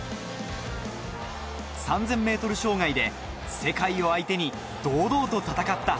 ３０００ｍ障害で世界を相手に堂々と戦った。